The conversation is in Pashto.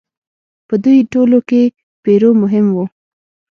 په دوی ټولو کې پیرو مهم و.